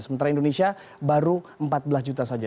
sementara indonesia baru empat belas juta saja